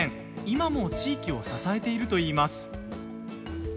今も地域を支えているといいます。